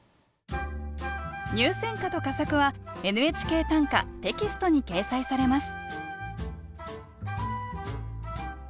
入選歌と佳作は「ＮＨＫ短歌」テキストに掲載されます